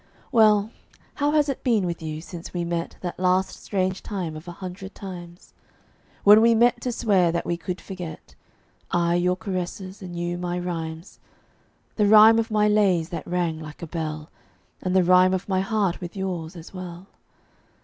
Well, how has it been with you since we met That last strange time of a hundred times? When we met to swear that we could forget I your caresses, and you my rhymes The rhyme of my lays that rang like a bell, And the rhyme of my heart with yours, as well?